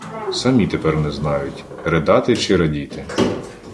Самі тепер не знають – ридати чи радіти.